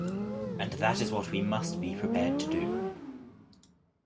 And that is what we must be prepared to do.